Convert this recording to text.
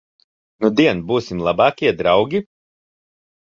Nudien būsim labākie draugi?